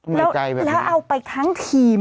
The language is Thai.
มีใจแบบนี้แล้วเอาไปทั้งทีม